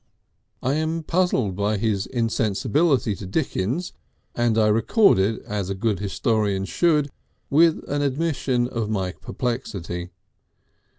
I am puzzled by his insensibility to Dickens, and I record it as a good historian should, with an admission of my perplexity.